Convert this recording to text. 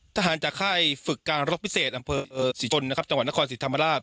ทหารจากค่ายฝึกการรกพิเศษอำเภอสิทธิ์ชนจังหวัดนครสิทธิ์ธรรมราช